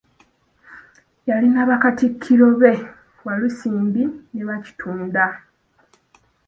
Yalina Bakatikkiro be Walusimbi ne Baakitunda.